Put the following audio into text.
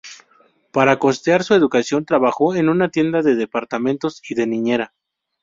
Para costear su educación trabajó en una tienda de departamentos y de niñera.